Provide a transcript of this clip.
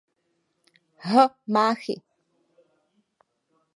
H. Máchy.